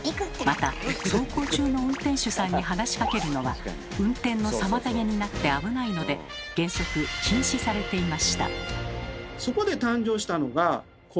また走行中の運転手さんに話しかけるのは運転の妨げになって危ないので原則禁止されていました。